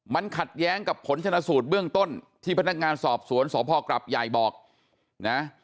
มันขัดแย้งกับผลชนะสูตรเบื้องต้นที่พนักงานสอบสวนสพกรับใหญ่บอกนะ